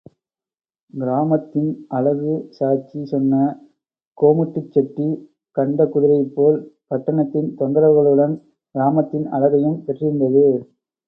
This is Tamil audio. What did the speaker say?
கிராமத்தின் அழகு சாட்சி சொன்ன கோமுட்டிச் செட்டி கண்ட குதிரையைப் போல், பட்டணத்தின் தொந்தரவுகளுடன் கிராமத்தின் அழகையும் பெற்றிருந்தது.